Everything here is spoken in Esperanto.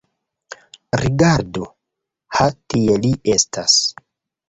Rigardu: ha tie li estas.